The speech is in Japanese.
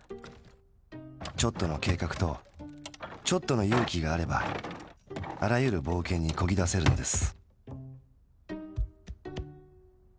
ちょっとの計画とちょっとの勇気があればあらゆる冒険に漕ぎ出せるのです。